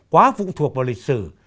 quá phụ thuộc vào lịch sử